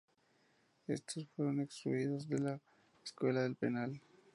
Estos fueron excluidos de la escuela del penal.